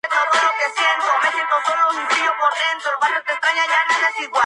Más tarde, cuando Abram dejó embarazada a Agar, esta comenzó despreciar a Sarai.